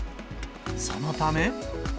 そのため。